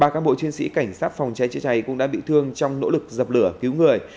ba cán bộ chiến sĩ cảnh sát phòng cháy chữa cháy cũng đã bị thương trong nỗ lực dập lửa cứu người